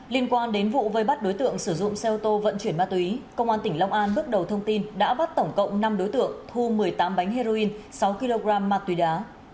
liên quan đến vụ vây bắt đối tượng sử dụng xe ô tô vận chuyển ma túy công an tỉnh long an bước đầu thông tin đã bắt tổng cộng năm đối tượng thu một mươi tám bánh heroin sáu kg ma túy đá